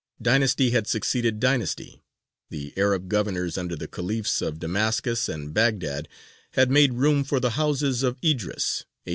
Dynasty had succeeded dynasty; the Arab governors under the Khalifs of Damascus and Baghdād had made room for the Houses of Idrīs (A.